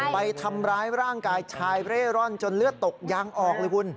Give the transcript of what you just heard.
ไปทำร้ายร่างกายชายเร่ร่อนจนเลือดตกยางออกเลยคุณ